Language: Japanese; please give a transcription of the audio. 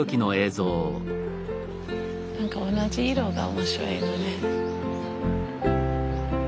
何か同じ色が面白いよね。